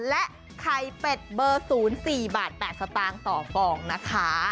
และไข่เป็ดเบอร์๐๔บาท๘สตางค์ต่อฟองนะคะ